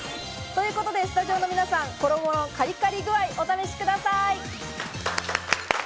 スタジオの皆さん、衣のカリカリ具合をお試しください。